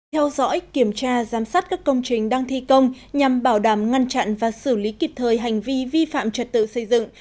theo dõi kiểm tra giám sát các công trình đang thi công nhằm bảo đảm ngăn chặn và xử lý kịp thời hành vi vi phạm trật tự xây dựng